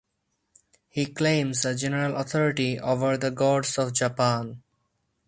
He claims a general authority over the gods of Japan.